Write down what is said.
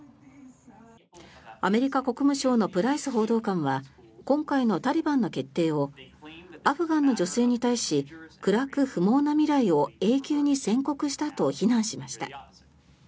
アメリカ国務省のプライス報道官は今回のタリバンの決定をアフガンの女性に対し暗く不毛な未来を永久に宣告したと非難しました。